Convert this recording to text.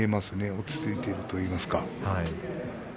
落ち着いているというか。